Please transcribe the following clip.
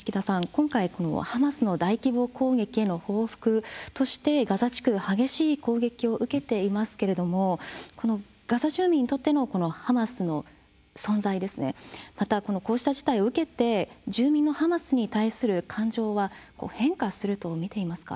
今回このハマスの大規模攻撃への報復としてガザ地区激しい攻撃を受けていますけれどもガザ住民にとってのハマスの存在ですねまたこうした事態を受けて住民のハマスに対する感情は変化すると見ていますか？